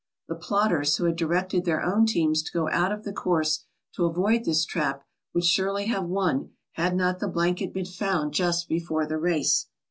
The plotters, who had directed their own teams to go out of the course to avoid this trap, would surely have won had not the blanket been found just before the race.